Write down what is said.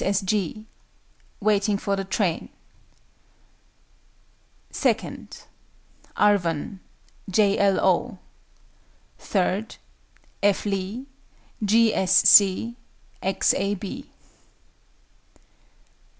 S. S. G. WAITING FOR THE TRAIN. II. ARVON. J. L. O. III. F. LEE. G. S. C. X. A. B.